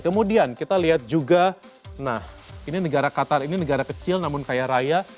kemudian kita lihat juga nah ini negara qatar ini negara kecil namun kaya raya